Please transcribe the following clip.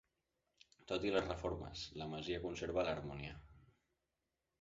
Tot i les reformes la masia conserva l'harmonia.